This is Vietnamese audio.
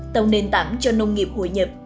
tạo nền tảng cho nông nghiệp hội nhập